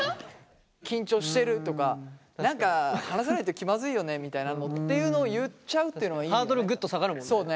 緊張してる？とか何か話さないと気まずいよねみたいなのっていうのを言っちゃうっていうのはいいよね。